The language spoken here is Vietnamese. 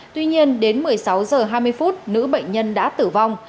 tuy nhiên đến một mươi sáu h hai mươi phút nữ bệnh nhân đã tử vong